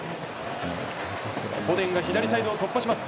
フォデンが左サイドを突破します。